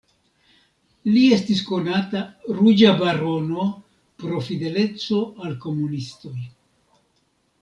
Li estis konata "Ruĝa barono" pro fideleco al komunistoj.